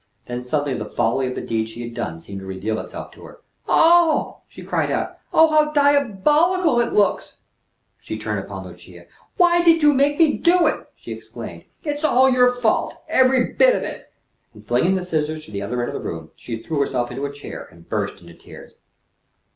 Then suddenly the folly of the deed she had done seemed to reveal itself to her. "Oh!" she cried out. "Oh, how diabolical it looks!" She turned upon Lucia. "Why did you make me do it?" she exclaimed. "It's all your fault every bit of it;" and, flinging the scissors to the other end of the room, she threw herself into a chair, and burst into tears.